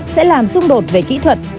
sẽ làm xung đột về kỹ thuật